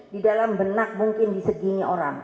di dalam benak mungkin di segini orang